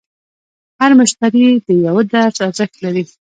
هر مشتری د یوه درس ارزښت لري.